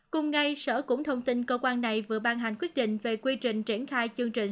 cùng ngày sở cũng thông tin cơ quan này vừa ban hành quyết định về quy trình triển khai chương trình